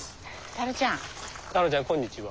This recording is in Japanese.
タローちゃんこんにちは。